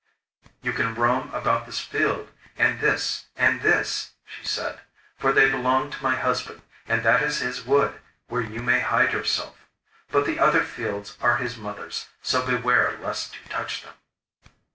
'You can roam about this field, and this, and this,' she said, 'for they belong to my husband; and that is his wood, where you may hide yourself. But the other fields are his mother's, so beware lest you touch them.